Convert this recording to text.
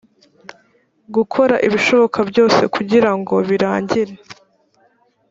gukora ibishoboka byose kugira ngo birangire